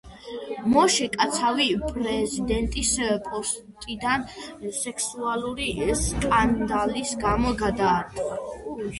მოშე კაცავი პრეზიდენტის პოსტიდან სექსუალური სკანდალის გამო გადადგა.